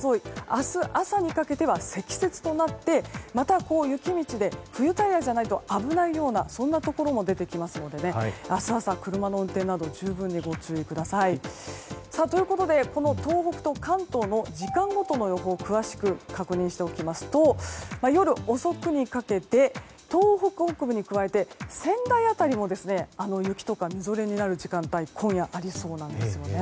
明日朝にかけては積雪となってまた、雪道で冬タイヤじゃないと危ないようなそんなところも出てきますので明日朝、車の運転など十分にご注意ください。ということで、東北と関東の時間ごとの予報を詳しく確認しておきますと夜遅くにかけて東北北部に加えて仙台辺りも雪とかみぞれになる時間帯が今夜ありそうです。